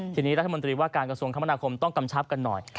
ทีนี้รัฐมนตรีว่าการกระทรวงคมนาคมต้องกำชับกันหน่อย